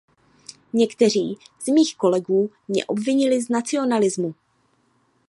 Někteří z mých kolegů mě obvinili z nacionalismu.